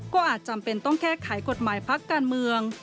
ก็อาจจำเป็นต้องแก้ไขกฎหมายพักการเมือง